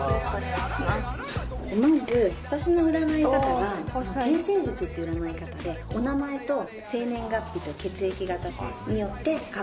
まず私の占い方が天星術っていう占い方でお名前と生年月日と血液型によって過去の流れ